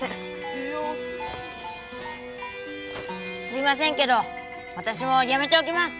すいませんけど私もやめておきます。